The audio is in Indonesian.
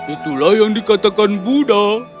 itulah yang dikatakan buddha